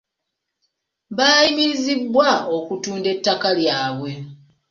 Baayimirizibwa okutunda ettaka lyabwe.